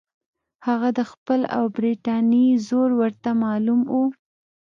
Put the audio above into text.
هغه د خپل او برټانیې زور ورته معلوم وو.